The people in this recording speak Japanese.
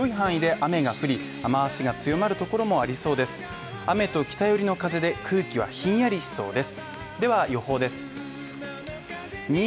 雨と北よりの風で空気はひんやりしそうです